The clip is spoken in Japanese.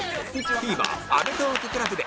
ＴＶｅｒ アメトーーク ＣＬＵＢ で